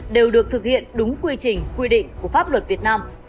đều được thực hiện đúng quy trình quy định của pháp luật việt nam